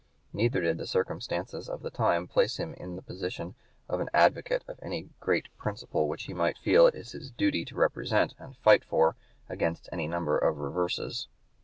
Neither did the circumstances of the time place him in the position of an advocate of any great principle which he might feel it his duty to represent and to fight for against any number of reverses.